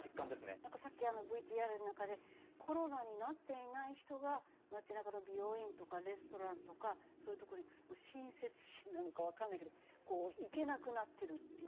なんかさっきＶＴＲの中でコロナになっていない人が街なかの美容院とかレストランとかそういうとこに親切心なのかわかんないけど行けなくなってるっていう。